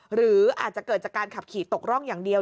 หรืออาจจะเกิดจากการขับขี่ตกร่องอย่างเดียว